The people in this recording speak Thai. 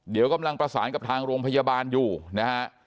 เดี๋ยวกำลังประสานกับทางโรงพยาบาลอยู่นะฮะ